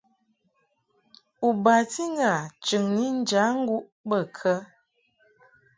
U bati ŋgâ chɨŋni njaŋguʼ bə kə ?